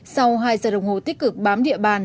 sau hai giờ đồng hồ tích cực bám địa bàn